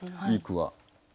いい句は。